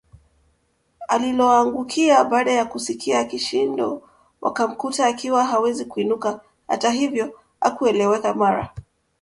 aliloangukia baada ya kusikia kishindo wakamkuta akiwa hawezi kuinuka Hata hivyo haikueleweka mara